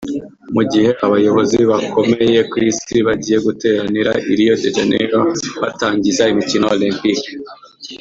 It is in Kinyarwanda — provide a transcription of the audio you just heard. Mu gihe abayobozi bakomeye ku Isi bagiye guteranira i Rio de Janeiro batangiza imikino Olempike